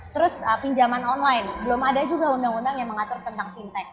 terus pinjaman online belum ada juga undang undang yang mengatur tentang fintech